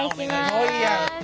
すごいやんか。